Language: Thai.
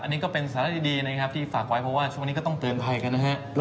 อันนี้ก็เป็นสาระดีนะครับที่ฝากไว้เพราะว่าช่วงนี้ก็ต้องเตือนภัยกันนะฮะ